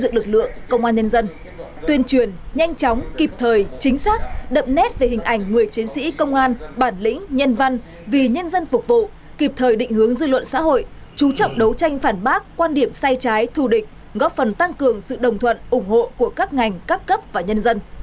trong đó thực hiện tốt công tác báo chí xuất bản điện ảnh kịp thời đưa tin tuyên truyền nhanh chóng kịp thời chính xác đậm nét về hình ảnh người chiến sĩ công an bản lĩnh nhân văn vì nhân dân phục vụ kịp thời định hướng dư luận xã hội chú trọng đấu tranh phản bác quan điểm sai trái thù địch góp phần tăng cường sự đồng thuận ủng hộ của các ngành các cấp và nhân dân